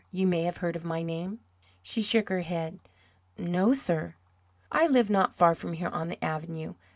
You may have heard my name?" She shook her head. "No, sir." "I live not far from here on the avenue.